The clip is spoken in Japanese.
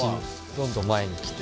どんどん前に来て。